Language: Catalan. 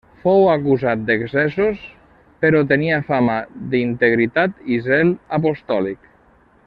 Fou acusat d'excessos, però tenia fama d'integritat i zel apostòlic.